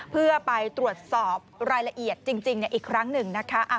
เพื่อไปตรวจสอบรายละเอียดจริงอีกครั้งหนึ่งนะคะ